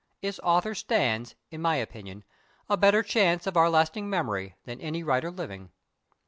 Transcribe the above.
Its author stands, in my opinion, a better chance of our lasting memory than any writer living.